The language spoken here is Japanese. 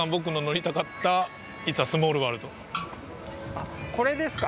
あっこれですか？